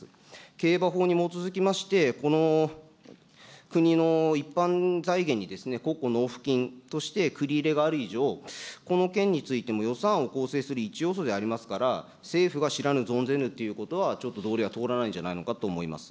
競馬法に基づきまして、この国の一般財源に、国庫納付金として繰り入れがある以上、この件についても予算案を構成する一要素でありますから、政府が知らぬ存ぜぬということはちょっとどおりは通らないのではないかと思います。